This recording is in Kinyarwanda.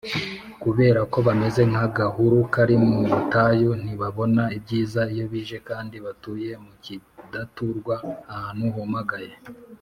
kubera ko bameze nk’agahuru kari mu butayu, ntibabona ibyiza iyo bije, kandi batuye mu kidaturwa ahantu humagaye